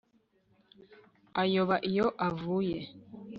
ayoba iyo avuye